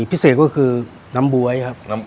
พิเศษก็คือน้ำบ๊วยครับ